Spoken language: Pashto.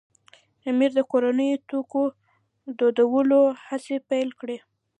امیر د کورنیو توکو دودولو هڅې پیل کړې.